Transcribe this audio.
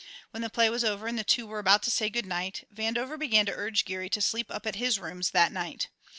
When the play was over and the two were about to say good night, Vandover began to urge Geary to sleep up at his rooms that night.